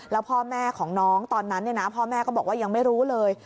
แล้วพ่อแม่ของน้องตอนนั้นพ่อแม่ก็บอกว่ายังไม่รู้เลย